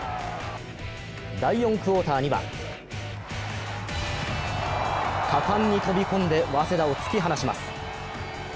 第４クオーターには、果敢に飛び込んで早稲田を突き放します。